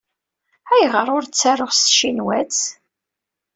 Ayɣer ur ttaruɣ s tcinwat?